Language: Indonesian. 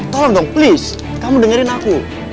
tolong dong please kamu dengerin aku